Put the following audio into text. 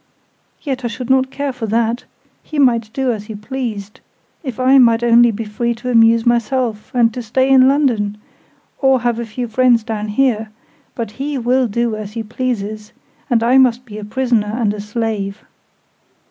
Yet I should not care for that: he might do as he pleased, if I might only be free to amuse myself and to stay in London, or have a few friends down here: but he will do as he pleases, and I must be a prisoner and a slave.